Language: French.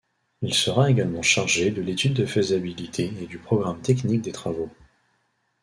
Il sera également chargé de l'étude de faisabilité et du programme technique des travaux.